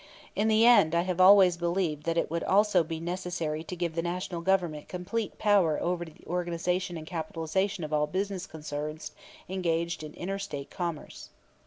In the end I have always believed that it would also be necessary to give the National Government complete power over the organization and capitalization of all business concerns engaged in inter State commerce.